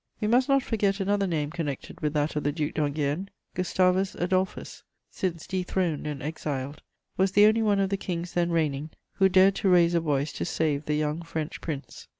We must not forget another name connected with that of the Duc d'Enghien: Gustavus Adolphus, since dethroned and exiled, was the only one of the kings then reigning who dared to raise a voice to save the young French Prince.